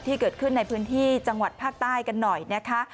ที่เกิดขึ้นในพื้นที่จังหวัดภาคใต้กันหน่อยนะคะ